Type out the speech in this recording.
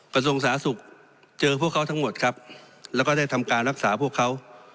กระทรวงสาธารณสุขเจอพวกเขาทั้งหมดครับแล้วก็ได้ทำการรักษาพวกเขา